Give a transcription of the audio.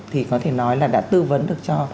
thì có thể nói là đã tư vấn được cho